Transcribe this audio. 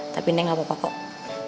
tapi neng gak mau paham